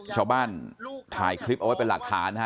ชาวบ้านถ่ายคลิปเอาไว้เป็นหลักฐานนะฮะ